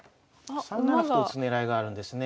３七歩と打つ狙いがあるんですね。